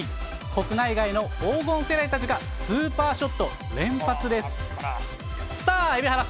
国内外の黄金世代たちが、スーパーショット連発です。